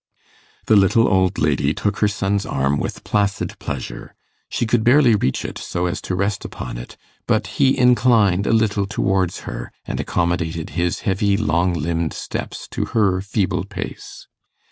The little old lady took her son's arm with placid pleasure. She could barely reach it so as to rest upon it, but he inclined a little towards her, and accommodated his heavy long limbed steps to her feeble pace.